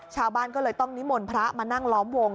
ชาวบ้านก็เลยต้องนิมนต์พระมานั่งล้อมวง